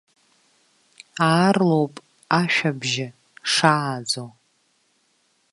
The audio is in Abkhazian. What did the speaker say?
Аарлоуп ашәабжьы шааӡо.